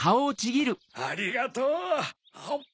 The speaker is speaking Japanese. ありがとう！